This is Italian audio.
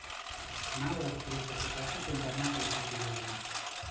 Maura scrisse soprattutto in vernacolo siciliano.